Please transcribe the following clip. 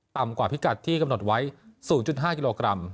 ต่ำกว่าพิกัดที่กำหนดไว้๐๕กิโลกรัม